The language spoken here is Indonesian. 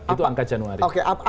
itu angka januari